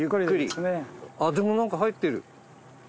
でもなんか入ってる。